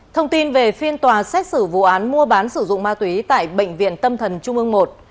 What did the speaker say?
thông tin về phiên tòa xét xử vụ án mua bán sử dụng ma túy tại bệnh viện tâm thần trung ương i